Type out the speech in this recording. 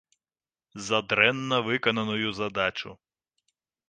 За дрэнна выкананую задачу.